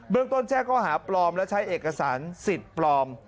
เรื่องต้นแจ้งข้อหาปลอมและใช้เอกสารสิทธิ์ปลอม